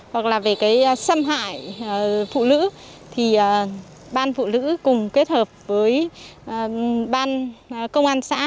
hoặc là về cái xâm hại phụ nữ thì ban phụ nữ cùng kết hợp với ban công an xã